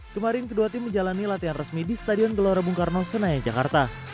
kemarin kedua tim menjalani latihan resmi di stadion gelora bung karno senayan jakarta